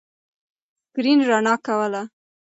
سکرین رڼا کوله.